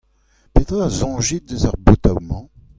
Petra a soñjit eus ar botoù-mañ ?